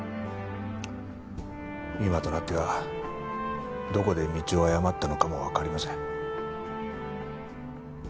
今となってはどこで道を誤ったのかもわかりません。